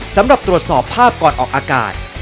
สำหรับตรวจสอบภาพก่อนออกอากาศ